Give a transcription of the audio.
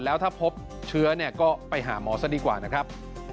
แล้วถ้าพบเชื้อเนี่ยก็ไปหาหมอซะดีกว่านะครับ